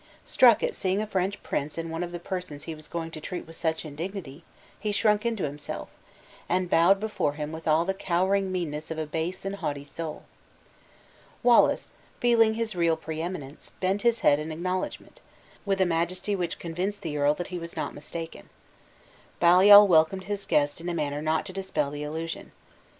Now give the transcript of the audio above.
Struck at seeing a French prince in one of the persons he was going to treat with such indignity, he shrunk into himself, and bowed before him with all the cowering meanness of a base and haughty soul. Wallace, feeling his real pre eminence, bent his head in acknowledgment, with a majesty which convinced the earl that he was not mistaken. Baliol welcomed his guest in a manner not to dispel the illusion.